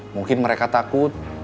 mungkin mereka takut